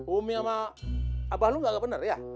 umi sama abah lu gak bener ya